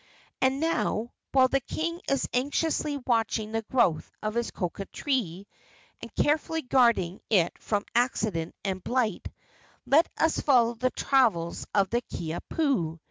And now, while the king is anxiously watching the growth of his cocoa tree, and carefully guarding it from accident and blight, let us follow the travels of the Kiha pu.